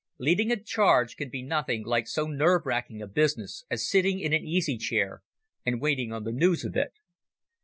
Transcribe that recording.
Leading a charge can be nothing like so nerve shaking a business as sitting in an easy chair and waiting on the news of it.